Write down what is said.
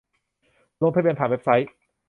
ลงทะเบียนผ่านเว็บไซต์